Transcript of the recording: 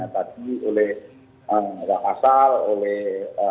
tadi oleh rakyat asal oleh